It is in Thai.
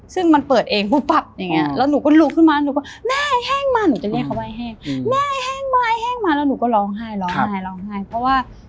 ซึ่งมันเปิดเองปุโป๊ะ